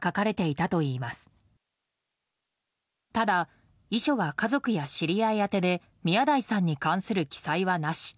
ただ遺書は家族や知り合い宛てで宮台さんに関する記載はなし。